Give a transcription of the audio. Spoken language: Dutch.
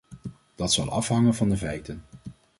Dat zal afhangen van de feiten.